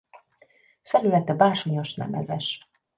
Felülete bársonyos-nemezes.